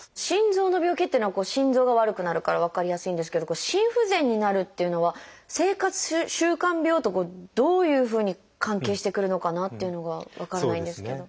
心臓の病気っていうのは心臓が悪くなるから分かりやすいんですけど心不全になるっていうのは生活習慣病とどういうふうに関係してくるのかなっていうのが分からないんですけど。